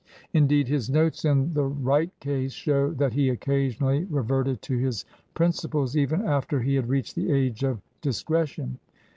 Indeed, his notes in the Wright case show that he occasionally reverted to first prin ciples even after he had reached the age of dis cretion.